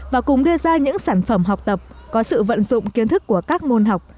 và cùng đưa ra những sản phẩm học tập có sự vận dụng kiến thức của các môn học